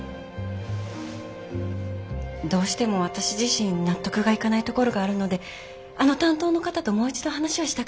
どうしても私自身納得がいかないところがあるのであの担当の方ともう一度話をしたくて。